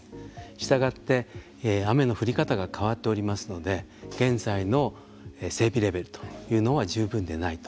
したがって、雨の降り方が変わっておりますので現在の整備レベルというのは十分でないと。